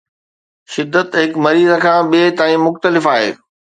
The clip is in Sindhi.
شدت هڪ مريض کان ٻئي تائين مختلف آهي